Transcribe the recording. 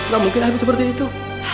gak mungkin lah ibu seperti itu